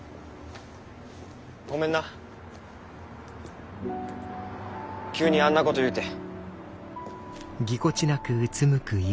ごめんな急にあんなこと言うて。